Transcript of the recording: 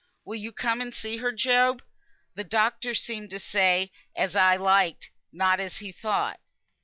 "Will you come and see her, Job? The doctor seemed to say as I liked, not as he thought."